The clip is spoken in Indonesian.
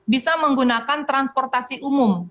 bisa menggunakan transportasi umum